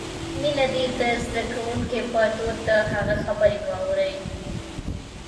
مينه دې د زدکونکې په دود د هغه خبرې واوري.